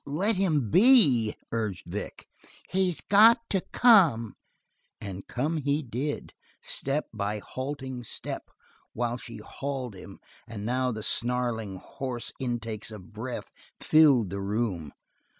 "Let him be!" urged Vic. "He's got to come!" And come he did, step by halting step, while she hauled him, and now the snarling hoarse intakes of breath filled the room.